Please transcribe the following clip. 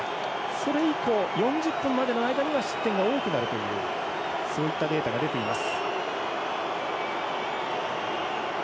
それ以降、４０分までの間には失点が多くなるというそういったデータが出ています。